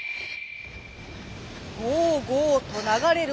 ごうごうとながれる